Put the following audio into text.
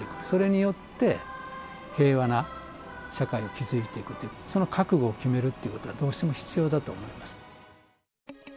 それによって平和な社会を築いていくっていう、その覚悟を決めるっていうことがどうしても必要だと思います。